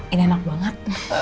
ini enak banget